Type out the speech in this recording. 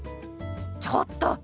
ちょっと！